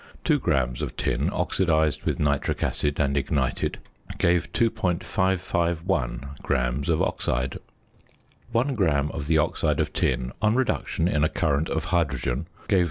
Two grams of tin, oxidised with nitric acid and ignited, gave 2.551 grams of oxide. One gram of the oxide of tin, on reduction in a current of hydrogen, gave 0.